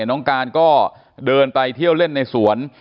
น้องการก็เดินไปเที่ยวเล่นในสวน